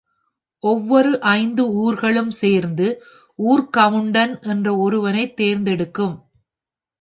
ஒவ்வொரு ஐந்து ஊர்களும் சேர்ந்து ஊர்க் கவுண்டன் என்ற ஒருவனைத் தேர்ந்தெடுக்கும்.